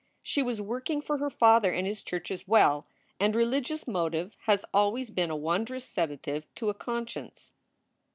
She was working for her father and his church as well; and religious motive has always been a wondrous sedative to a conscience.